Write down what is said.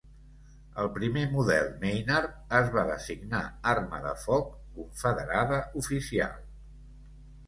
El primer model Maynard es va designar arma de foc confederada oficial.